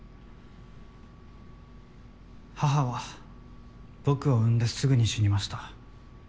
母は僕を産んですぐに死にました。